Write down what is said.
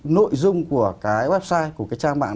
nội dung của cái website của cái trang mạng